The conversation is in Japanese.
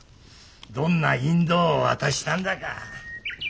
どんな引導を渡したんだか。